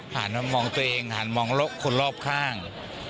หาดมองตัวเองหาดมองคนรอบข้าง